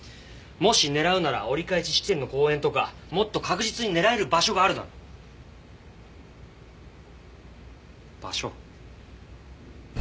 もし狙うなら折り返し地点の公園とかもっと確実に狙える場所があるだろ？場所？